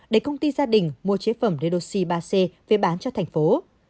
để công ty gia đình mua chế phẩm redoxi ba c về bán cho thành phố